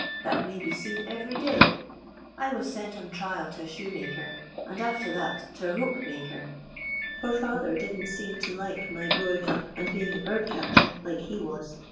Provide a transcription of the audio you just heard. That may be seen every day. I was sent on trial to a shoemaker, and after that to a ropemaker, for fatlier didn't seem to like my Sowing up and being a bird catcher, like he was.